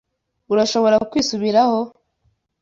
Urashobora kwisubiraho.